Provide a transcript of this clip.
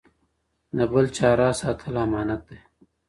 د بل چا راز ساتل امانت دی.